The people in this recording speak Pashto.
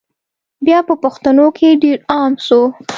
بیا په پښتنو کي ډېر عام سو